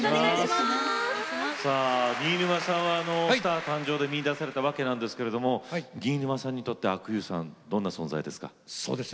新沼さんは「スター誕生！」で見いだされたわけなんですが新沼さんにとって阿久悠さんはどんな存在ですか？